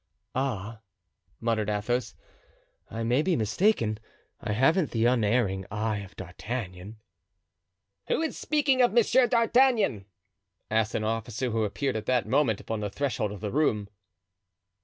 "Ah!" muttered Athos, "I may be mistaken, I haven't the unerring eye of D'Artagnan." "Who is speaking of Monsieur D'Artagnan?" asked an officer who appeared at that moment upon the threshold of the room.